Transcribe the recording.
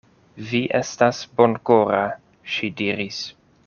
Vi estas bonkora, ŝi diris.